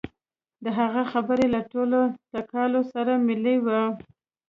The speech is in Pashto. د هغه خبرې له ټوکو ټکالو سره ملې وې.